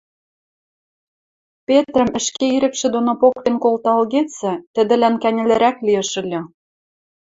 Петрӹм ӹшке ирӹкшӹ доно поктен колта ылгецӹ, тӹдӹлӓн кӓньӹлрӓк лиэш ыльы.